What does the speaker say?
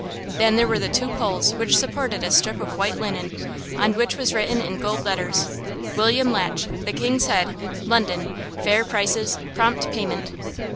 Then there were the two poles which supported a strip of white linen, on which was written in gold letters, "William Latch, 'The King's Head,' London. Fair prices, prompt payment."